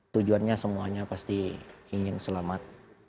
tujuannya semuanya pasti ingin selamat